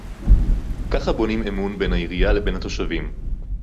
ככה בונים אמון בין העירייה לבין התושבים